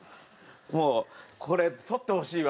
もうこれ撮ってほしいわ。